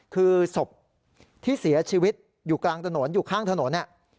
คือศพที่เสียชีวิตอยู่กลางถนนอยู่ข้างถนน